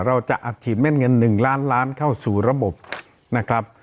เราจะอัดฉีดแม่นเงิน๑ล้านล้านเข้าสู่ระบบนะครับ